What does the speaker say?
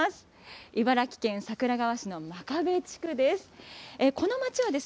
茨城県桜川市の真壁地区です。